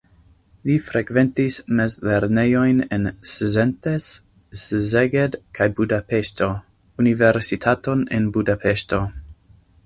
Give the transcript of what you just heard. Li frekventis mezlernejojn en Szentes, Szeged kaj Budapeŝto, universitaton en Budapeŝto.